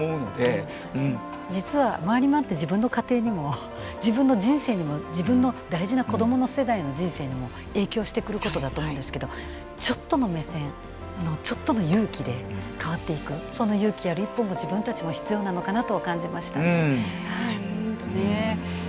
実は回り回って自分の家庭にも自分の人生にも自分の大事な子どもの世代の人生にも影響してくることだと思うんですけどちょっとの目線のちょっとの勇気で変わっていくその勇気ある一歩も自分たちも必要なのかなとは感じましたね。